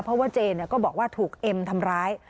เพราะว่าเจนก็บอกว่าถูกเอ็มทำร้าย